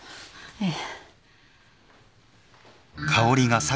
ええ。